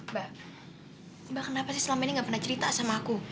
mbak kenapa sih selama ini gak pernah cerita sama aku